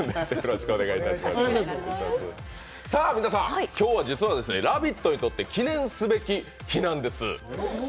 皆さん、今日は実は「ラヴィット！」にとって記念すべき日なんです。